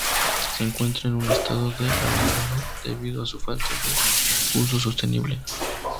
Se encuentra en un estado de abandono debido a su falta de uso sostenible.